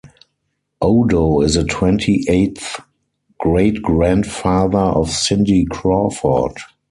Odo is a twenty-eighth great-grandfather of Cindy Crawford.